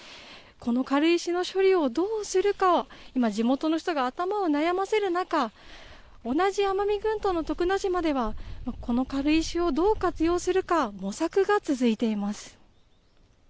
この軽石の処理をどうするかを、今、地元の人が頭を悩ませる中、同じ奄美群島の徳之島では、この軽石をどう活用するか、模索が続いています。